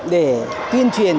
để tuyên truyền